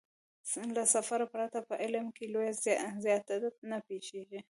له سفر پرته په علم کې لويه زيادت نه پېښېږي.